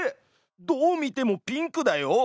どう見てもピンクだよ！